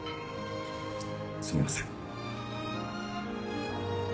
すみません。